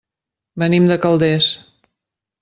Venim de Calders.